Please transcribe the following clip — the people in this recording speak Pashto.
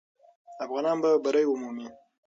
افغانان به بری ومومي.